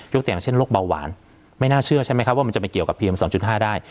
ยกตัวอย่างเช่นโรคเบาหวานไม่น่าเชื่อใช่ไหมครับว่ามันจะไม่เกี่ยวกับพีเอ็มสองจุดห้าได้